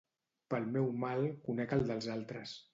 Pel meu mal conec el dels altres.